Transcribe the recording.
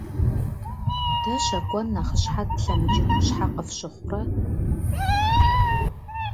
Дэ щэкӀуэн нэхъыщхьэ тлъэмыкӀыну щхьэ къыфщыхъурэ?